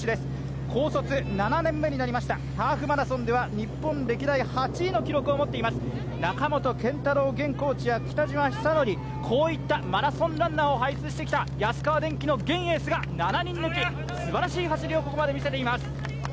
高卒７年目になりました、ハーフマラソンでは日本歴代８位の記録を持っています中本健太郎や北島寿典、こういったマラソンランナーを輩出してきた安川電機の現エースが７人抜き、すばらしい走りをここまで見せています。